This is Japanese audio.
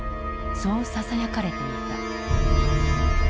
そうささやかれていた。